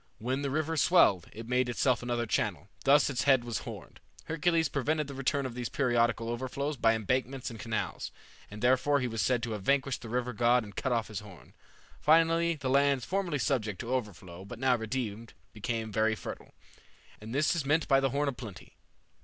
When the river swelled, it made itself another channel. Thus its head was horned. Hercules prevented the return of these periodical overflows by embankments and canals; and therefore he was said to have vanquished the river god and cut off his horn. Finally, the lands formerly subject to overflow, but now redeemed, became very fertile, and this is meant by the horn of plenty.